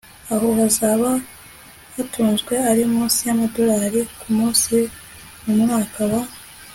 aho bazaba batunzwe ari munsi y' amadorali .$ ku munsi, mu mwaka wa